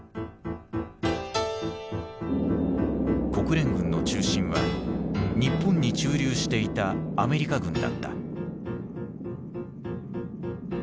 国連軍の中心は日本に駐留していたアメリカ軍だった。